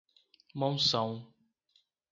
Monção